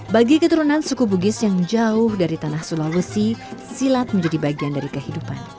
bagi keturunan suku bugis yang jauh dari tanah sulawesi silat menjadi bagian dari kehidupan